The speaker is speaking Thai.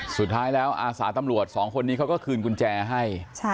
สุดท้ายแล้วอาสาตำรวจสองคนนี้เขาก็คืนกุญแจให้